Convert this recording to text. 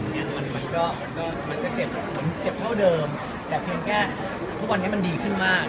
มันก็มันก็เจ็บเหมือนเจ็บเท่าเดิมแต่เพียงแค่ทุกวันนี้มันดีขึ้นมาก